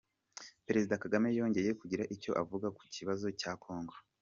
Perezida Kagame yongeye kugira icyo avuga ku kibazo cya kongo